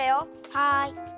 はい。